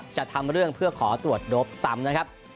จะทำเรื่องเพื่อขอตรวจโดปซ้ำนะครับ